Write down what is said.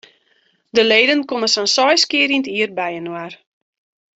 De leden komme sa'n seis kear yn it jier byinoar.